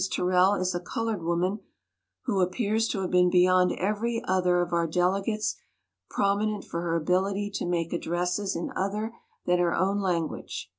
Terrell is a colored woman who appears to have been beyond every other of our delegates promi nent for her ability to make addresses in other than her own language."